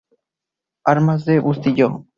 Armas de Bustillo.